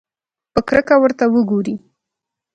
په کرکه ورته وګوري.